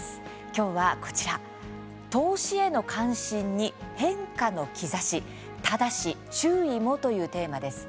きょうは、こちら「投資への関心に変化の兆しただし注意も！」というテーマです。